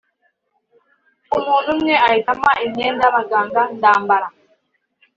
umuntu umwe ahita ampa imyenda y’abaganga ndambara